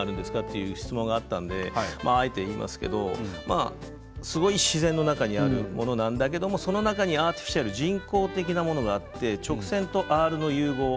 いう質問があったのであえて言いますけどすごい自然の中にあるものなんだけどその中にある人工的なものがあって直線とアールの融合。